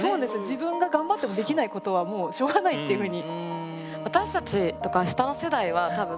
自分が頑張ってもできないことはもうしょうがないっていうふうに。